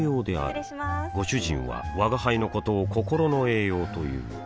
失礼しまーすご主人は吾輩のことを心の栄養という